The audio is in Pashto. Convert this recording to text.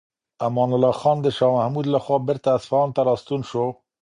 امان الله خان د شاه محمود لخوا بیرته اصفهان ته راستون شو.